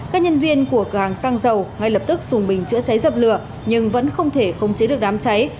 các nhân viên của cửa hàng xăng dầu ngay lập tức dùng bình chữa cháy dập lửa nhưng vẫn không thể khống chế được đám cháy